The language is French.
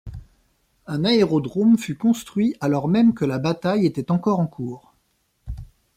Un aérodrome fut construit alors même que la bataille était encore en cours.